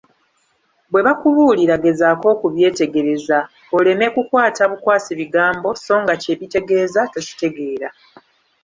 Bye bakubuulira gezaako okubyetegereza, oleme kukwata bukwasi bigambo, sso nga kye bitegeeza tokitegeera.